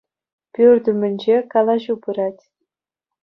Пӳрт ӳмӗнче калаҫу пырать.